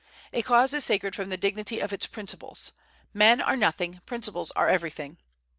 A cause is sacred from the dignity of its principles. Men are nothing; principles are everything.